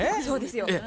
そうですよ。